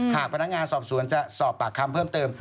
หากพนักงานสอบสวนจะสอบปากคำเพิ่มเติม